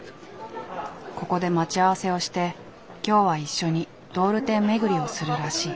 ここで待ち合わせをして今日は一緒にドール店巡りをするらしい。